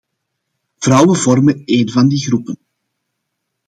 Vrouwen vormen een van die groepen.